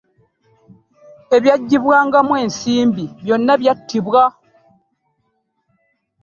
Ebyaggyibwangamu ensimbi byonna byattibwa.